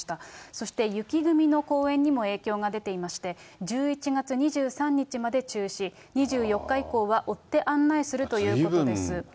そして雪組の公演にも影響が出ていまして、１１月２３日まで中止、２４日以降は追って案内するということです。